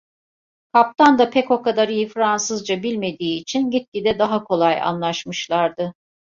Kaptan da pek o kadar iyi Fransızca bilmediği için, gitgide daha kolay anlaşmışlardı.